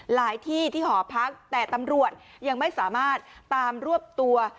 ที่ที่หอพักแต่ตำรวจยังไม่สามารถตามรวบตัว